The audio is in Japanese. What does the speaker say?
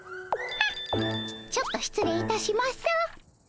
あっちょっと失礼いたします。